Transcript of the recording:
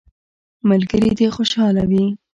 ملګري دي خوشحاله وي.